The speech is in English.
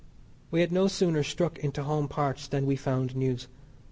We had no sooner struck into home parts than we found news.